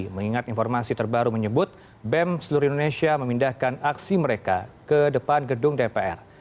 mengingat informasi terbaru menyebut bem seluruh indonesia memindahkan aksi mereka ke depan gedung dpr